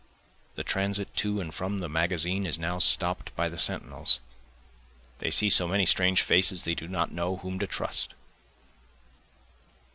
The transit to and from the magazine is now stopt by the sentinels, They see so many strange faces they do not know whom to trust.